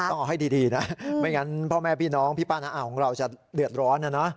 ต้องเอาให้ดีนะไม่งั้นพ่อแม่พี่น้องพี่ป้าน้าอาวของเราจะเดือดร้อนนะนะ